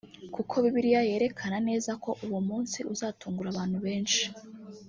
kuko Bibiliya yerekana neza ko uwo munsi uzatungura abantu benshi